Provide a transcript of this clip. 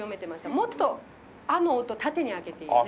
もっと「あ」の音縦に開けていいよね。